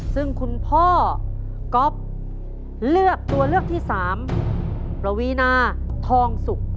ซึ่งคุณพ่อก๊อฟเลือกตัวเลือกที่สามประวีนาทองสุก